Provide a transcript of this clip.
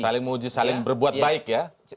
saling menguji saling berbuat baik ya